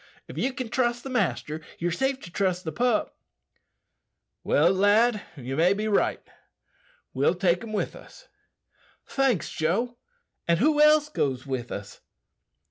If ye can trust the master, ye're safe to trust the pup." "Well, lad, ye may be right. We'll take him." "Thanks, Joe. And who else goes with us?"